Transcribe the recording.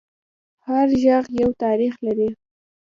هر غږ یو تاریخ لري